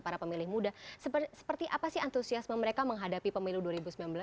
para pemilih muda seperti apa sih antusiasme mereka menghadapi pemilu dua ribu sembilan belas